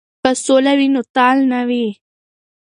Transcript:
که سوله وي نو تال نه وي.